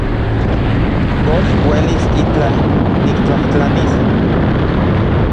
¿Kox uelis itlaj niktlajtlanis?